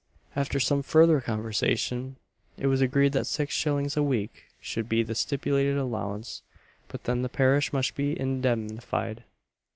After some further conversation, it was agreed that six shillings a week should be the stipulated allowance; but then the parish must be indemnified.